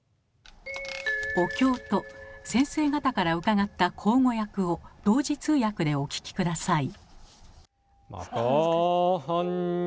お経と先生方から伺った口語訳を同時通訳でお聞き下さい。